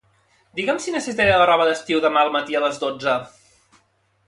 Digue'm si necessitaré la roba d'estiu demà al matí a les dotze.